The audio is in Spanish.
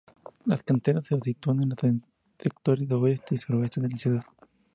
Las canteras se sitúan en los sectores oeste y suroeste de la ciudad.